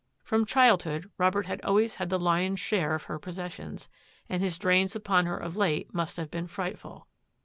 From childhood, Robert had always had the lion's share of her possessions, and his drains upon her of late musi; have been frightful.